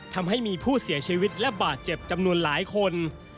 ทำให้มีผู้เสียชีวิตและบาดเจ็บจำนวนหลายคน